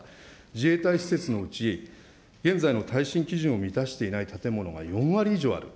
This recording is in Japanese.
自衛隊施設のうち、現在の耐震基準を満たしていない建物が４割以上ある。